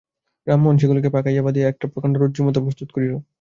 রামমোহন সেগুলি পাকাইয়া বাঁধিয়া বাঁধিয়া একটা প্রকাণ্ড রজ্জুর মতো প্রস্তুত করিল।